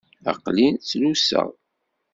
Aql-i ttluseɣ.